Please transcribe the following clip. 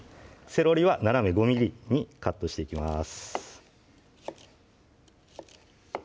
セロリは斜め５ｍｍにカットしていきます